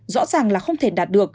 rõ ràng là không thể đạt được